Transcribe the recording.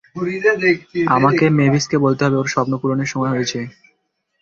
আমাকে মেভিসকে বলতে হবে ওর স্বপ্ন পূরণের সময় হয়েছে।